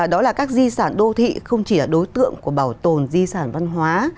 đó là các di sản đô thị không chỉ là đối tượng của bảo tồn di sản văn hóa